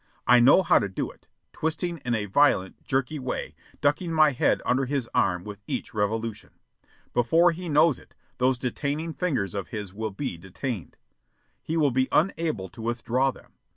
I know how to do it; twisting in a violent, jerky way, ducking my head under his arm with each revolution. Before he knows it, those detaining fingers of his will be detained. He will be unable to withdraw them.